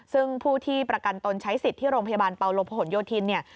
ซึ่งผู้ที่ประกันตนใช้สิทธิ์ที่โรงพยาบาลเปาโลพหนโยธินเนี่ย